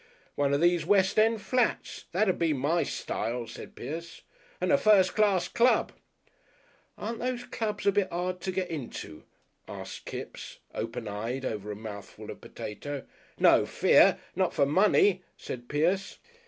"One of these West End Flats. That'd be my style," said Pierce. "And a first class club." "Aren't these clubs a bit 'ard to get into?" asked Kipps, open eyed, over a mouthful of potato. "No fear. Not for Money," said Pierce.